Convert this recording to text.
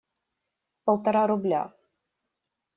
Полтора рубля!